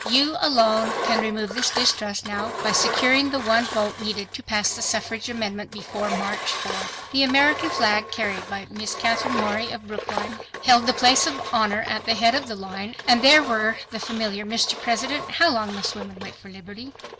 YOU ALONE CAN REMOVE THIS DISTRUST NOW BY SECURING THE ONE VOTE NEEDED TO PASS THE SUFFRAGE AMENDMENT BEFORE MARCH 4. The American flag carried by Miss Katherine Morey of Brookline held the place of honor at the head of the line and there were the familiar, "Mr. President, how long must women wait for liberty?"